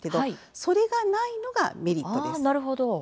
それがないのがメリットです。